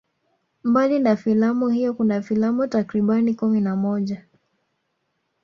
Mbali na filamu hiyo kuna filamu takribani kumi na moja